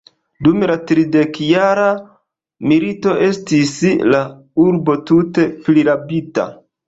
Dum la tridekjara milito estis la urbo tute prirabita.